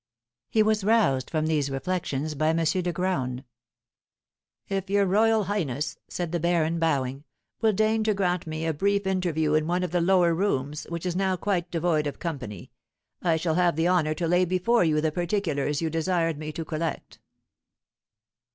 He was roused from these reflections by M. de Graün. "If your royal highness," said the baron, bowing, "will deign to grant me a brief interview in one of the lower rooms, which is now quite devoid of company, I shall have the honour to lay before you the particulars you desired me to collect."